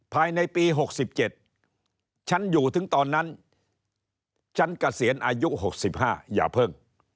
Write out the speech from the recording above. ภายในปี๖๗ฉันอยู่ถึงตอนนั้นฉันเกษียณอายุ๖๕อย่าเพิ่ง